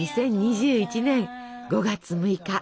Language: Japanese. ２０２１年５月６日。